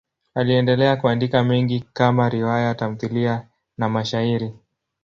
Aliendelea kuandika mengi kama riwaya, tamthiliya na mashairi.